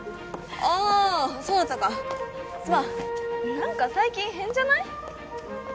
あそうだったかすまん何か最近変じゃない？